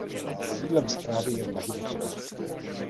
Sídlem správy je Vladivostok.